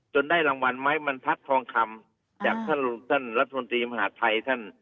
จนได้รางวัลไหมมันพัดทองคำอ่าจากท่านรัฐธนตรีมหาดไทยท่าน